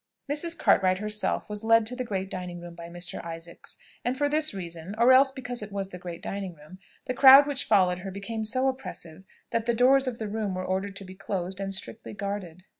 Mrs. Cartwright herself was led to the great dining room by Mr. Isaacs, and for this reason, or else because it was the great dining room, the crowd which followed her became so oppressive that the doors of the room were ordered to be closed and strictly guarded.